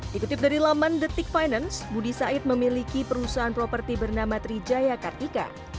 dikutip dari laman the tick finance budi said memiliki perusahaan properti bernama trijaya kartika